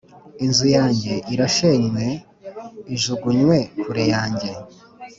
Inzu yanjye irashenywe, ijugunywe kure yanjye,